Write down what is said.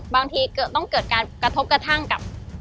บางทีต้องเกิดการกระทบกระทั่งกับ